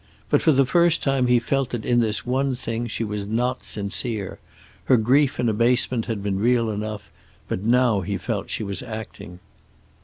But for the first time he felt that in this one thing she was not sincere. Her grief and abasement had been real enough, but now he felt she was acting.